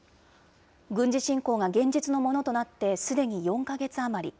軍事侵攻が現実のものとなってすでに４か月余り。